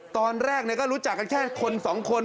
ตอนแรกก็รู้จักกันแค่คนสองคน